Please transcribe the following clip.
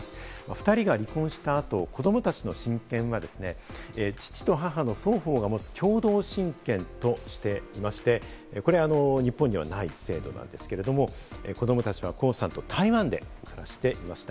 ２人が離婚した後、子どもたちの親権はですね、父と母の双方が持つ共同親権としていまして、これ日本にはない制度なんですけれども、子供たちはコウさんと台湾で暮らしていました。